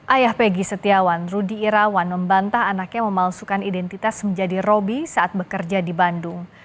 ayah peggy setiawan rudy irawan membantah anaknya memalsukan identitas menjadi roby saat bekerja di bandung